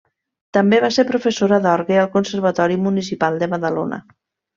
També va ser professora d'orgue al Conservatori Municipal de Badalona.